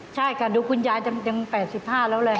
ใช่ค่ะดูคุณยายยัง๘๕แล้วเลย